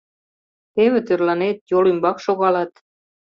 — Теве тӧрланет, йол ӱмбак шогалат.